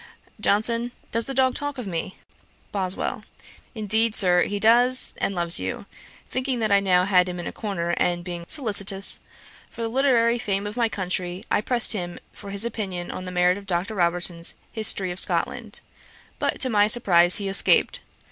JOHNSON. 'Does the dog talk of me?' BOSWELL. 'Indeed, Sir, he does, and loves you.' Thinking that I now had him in a corner, and being solicitous for the literary fame of my country, I pressed him for his opinion on the merit of Dr. Robertson's History of Scotland. But, to my surprize, he escaped.